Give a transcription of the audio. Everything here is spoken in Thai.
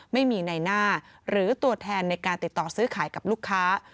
ไม่มีในหน้าหรือตัวแทนในการติดต่อซื้อขายกับลูกค้า